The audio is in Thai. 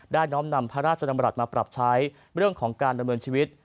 น้อมนำพระราชดำรัฐมาปรับใช้เรื่องของการดำเนินชีวิต